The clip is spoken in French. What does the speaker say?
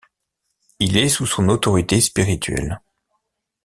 Il est sous son autorité spirituelle.